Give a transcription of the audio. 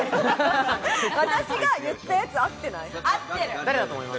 私が言ったやつ、あってない？